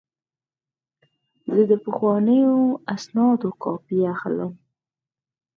زه د پخوانیو اسنادو کاپي اخلم.